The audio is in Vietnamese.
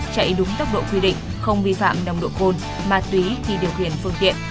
chạy đúng tốc độ quy định không vi phạm nồng độ côn mà tùy khi điều khiển phương tiện